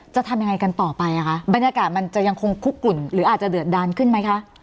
จะทำยังไงกันต่อไปอ่ะคะบรรยากาศมันจะยังคงคุกกลุ่นหรืออาจจะเดือดดันขึ้นไหมคะ